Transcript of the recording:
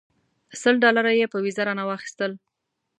سل ډالره یې په ویزه رانه واخیستل.